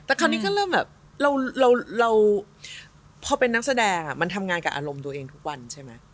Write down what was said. แต่คราวนี้ก็เริ่มแบบเราพอเป็นนักแสดงมันทำงานกับอารมณ์ตัวเองทุกวันใช่ไหม